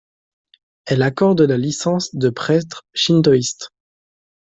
Elle accorde la licence de prêtre shintoïste.